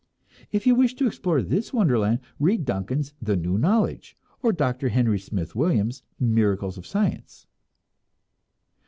If you wish to explore this wonderland, read Duncan's "The New Knowledge," or Dr. Henry Smith Williams' "Miracles of Science."